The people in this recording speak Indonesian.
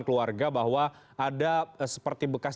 keluarga bahwa ada seperti bekas